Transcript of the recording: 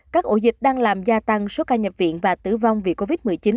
các ổ dịch đang làm gia tăng số ca nhập viện và tử vong vì covid một mươi chín